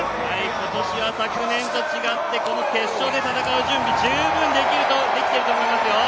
今年は昨年と違って、決勝で戦う準備、十分できていると思いますよ。